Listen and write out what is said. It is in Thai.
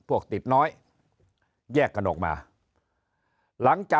เวลา